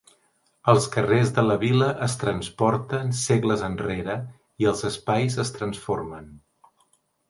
Els carrers de la vila es transporten segles enrere i els espais es transformen.